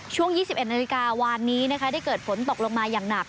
ช่วง๒๑นาฬิกาวานนี้นะคะได้เกิดฝนตกลงมาอย่างหนัก